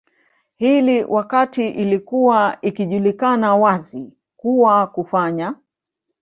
hili wakati ilikuwa ikijulikana wazi kuwa kufanya